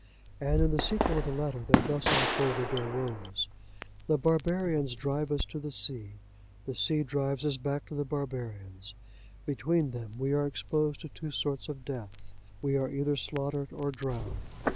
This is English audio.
And in the sequel of the letter they thus unfolded their woes:—"The barbarians drive us to the sea; the sea drives us back to the barbarians: between them we are exposed to two sorts of death; we are either slaughtered or drowned."